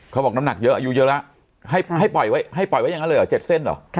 เขาบอกน้ำหนักเยอะอายุเยอะแล้วให้ปล่อยไว้อย่างนั้นเลยเหรอ๗เส้นเหรอ